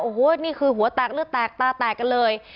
โอ้โหนี่คือหัวแตกเลือดแตกตาแตกกันเลย